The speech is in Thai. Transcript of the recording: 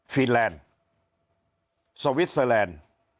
ฟินแลนด์สวิสเตอร์แลนด์